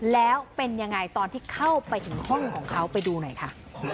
แล้วเป็นยังไงตอนที่เข้าไปถึงห้องของเขาไปดูหน่อยค่ะ